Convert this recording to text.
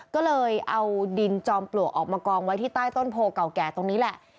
ก็เลยเอาดินจอมปลวกออกมากองไว้ที่ใต้ต้นโพเก่าแก่ตรงนี้แหละ